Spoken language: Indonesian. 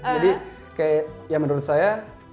jadi kayak yang menurut saya